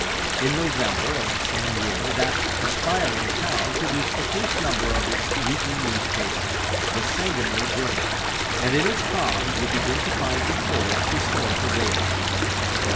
In November of the same year that aspiring town produced the first number of its weekly newspaper, the "Sangamo Journal," and in its columns we begin to find recorded historical data.